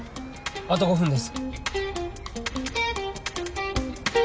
あと５分です。